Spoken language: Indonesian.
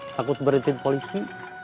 takut berhenti di polisi